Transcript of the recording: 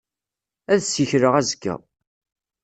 Ad ssikleɣ azekka.